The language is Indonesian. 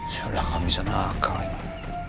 sudahkah bisa nakal ini